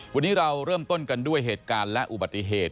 วันนี้เราเริ่มต้นกันด้วยเหตุการณ์และอุบัติเหตุ